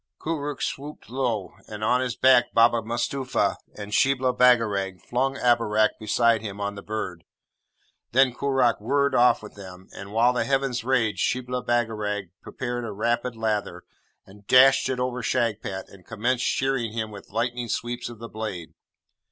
Koorookh swooped low, on his back Baba Mustapha, and Shibli Bagarag flung Abarak beside him on the bird. Then Koorookh whirred off with them; and while the heavens raged, Shibli Bagarag prepared a rapid lather, and dashed it over Shagpat, and commenced shearing him with lightning sweeps of the blade.